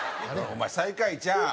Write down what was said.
お前最下位ちゃうん？